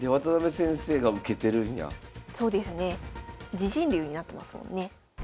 自陣竜になってますもんね。